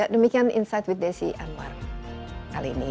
demikian insight with desi anwar kali ini